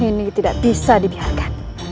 ini tidak bisa dibiarkan